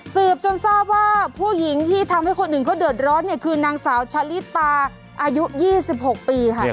สืบจนทราบว่าผู้หญิงที่ทำให้คนอื่นเขาเดือดร้อนเนี่ยคือนางสาวชะลิตาอายุ๒๖ปีค่ะ